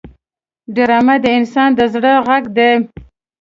ډرامه د انسان د زړه غږ دی